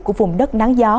của vùng đất nắng gió